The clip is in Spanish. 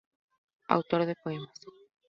Autor de poemas.